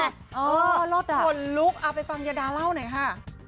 รถขนลุกเอาไปฟังยาดาเล่าหน่อยค่ะ